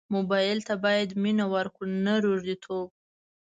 موبایل ته باید مینه ورکړو نه روږديتوب.